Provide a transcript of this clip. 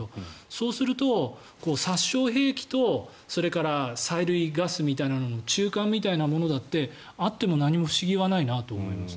そうすると、殺傷兵器とそれから催涙ガスみたいなものの中間みたいなものだってあっても何も不思議はないなと思います。